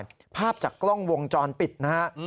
ภาพจากกล้องวงจรปิดนะฮะ